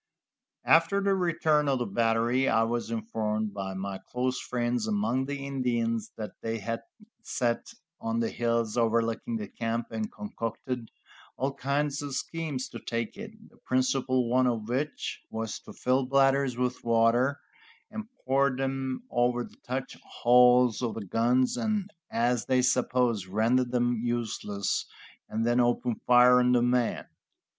After the return of the battery I was informed by my close friends among the Indians that they had sat on the hills overlooking the camp and concocted all kinds of schemes to take it, the principal one of which was to fill bladders with water, and pour them over the touch holes of the guns, and, as they supposed, render them useless, and then open fire on the men.